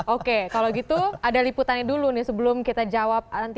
oke kalau gitu ada liputannya dulu nih sebelum kita jawab nanti